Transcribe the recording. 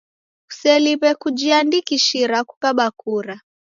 Kuseliw'e kujiandikishira kukaba kura